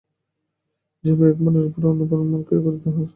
যে উপায়ে এক মনের উপর অপর মন ক্রিয়া করিয়া থাকে, তাহা শব্দ।